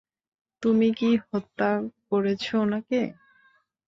তুমি কি হত্যা করেছ উনাকে?